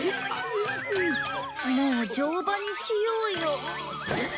もう乗馬にしようよ。